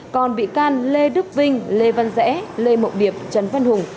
còn bị can lê đức vinh lê văn rẽ lê mộng điệp trần văn hùng